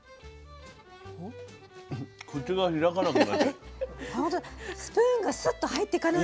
口が開かなくなってる。